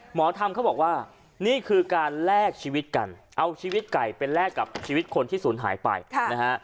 หมอธรรมเขาบอกว่านี่คือการแลกชีวิตกันเอาชีวิตไก่ไปแลกกับชีวิตคนที่ศูนย์หายไปนะฮะ